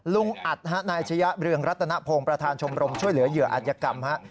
ลุงอัดฮะนายชะยะเรืองรัตนพงศ์ประธานชมรมช่วยเหลือเหยื่ออัธยกรรมฮะ